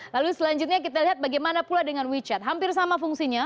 lalu selanjutnya kita lihat bagaimana pula dengan wechat hampir sama fungsinya